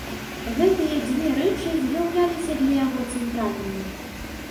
Гэтыя дзве рэчы з'яўляліся для яго цэнтральнымі.